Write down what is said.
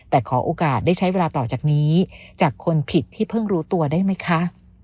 แต่ขอโอกาสได้ใช้เวลาต่อจากนี้จากคนผิดที่เพิ่งรู้ตัวได้ไหมคะ